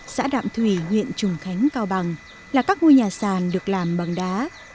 xã đạm thủy huyện trùng khánh cao bằng là các ngôi nhà sàn được làm bằng đá